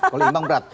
kalau imbang berat